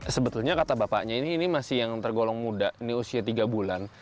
sebetulnya kata bapaknya ini masih yang tergolong muda ini usia tiga bulan